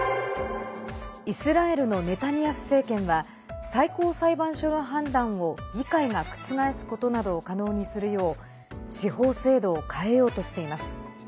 イスラエルのネタニヤフ政権は最高裁判所の判断を議会が覆すことなどを可能にするよう司法制度を変えようとしています。